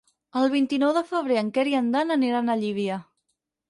El vint-i-nou de febrer en Quer i en Dan aniran a Llívia.